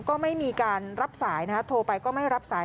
ก็ไม่มีการรับสายนะฮะโทรไปก็ไม่รับสาย